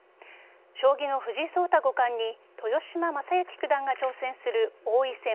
将棋の藤井聡太五冠に豊島将之九段が挑戦する王位戦